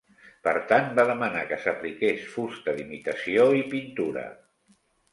Per tant, va demanar que s'apliqués fusta d'imitació i pintura.